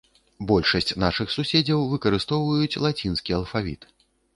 Большасць нашых суседзяў выкарыстоўваюць лацінскі алфавіт.